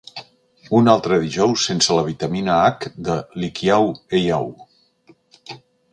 Un altre dijous sense la vitamina H de l'Hikiau Heiau.